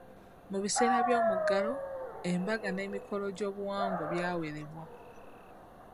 Mu biseera by'omuggalo, embaga n'emikolo gy'obuwangwa byawerebwa.